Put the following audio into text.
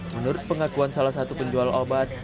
menurut pengakuan salah satu penjual obat